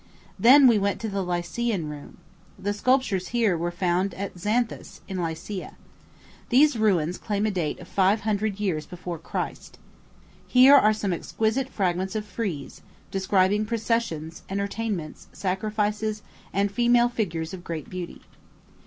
Then we went to the Lycian Room. The sculptures here were found at Xanthus, in Lycia. These ruins claim a date of five hundred years before Christ. Here are some exquisite fragments of frieze, describing processions, entertainments, sacrifices, and female figures of great beauty.